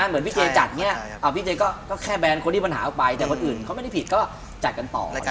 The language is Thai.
เหมือนพี่เจจัดอย่างนี้พี่เจก็แค่แบนคนที่ปัญหาออกไปแต่คนอื่นเขาไม่ได้ผิดก็จัดกันต่อ